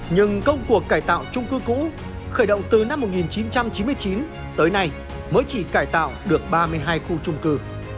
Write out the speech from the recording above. nhưng công cuộc cải tạo trung cư cũ khởi động từ năm một nghìn chín trăm chín mươi chín tới nay mới chỉ cải tạo được ba mươi hai khu trung cư